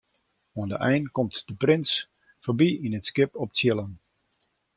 Oan de ein komt de prins foarby yn in skip op tsjillen.